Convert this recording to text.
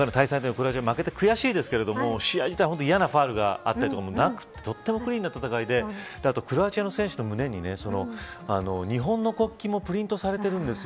クロアチアに負けて悔しいですけど試合自体は、いやなファウルがあったりとかもなくてとてもクリーンな戦いであとクロアチアの選手の胸に日本の国旗もプリントされてるんです。